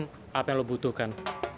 gue akan ngelakuin apa yang lo butuhkan